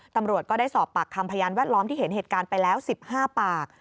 ตำรวจก็ได้สอบปากคำพยานแวดล้อมที่เห็นเหตุการณ์ไปแล้ว๑๕ปาก